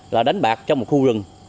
là đánh bạc trong một khu rừng